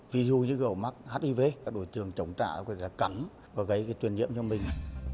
ví dụ như ở mắc hiv các đối tượng chống trả là cắn và gây truyền nhiễm cho mình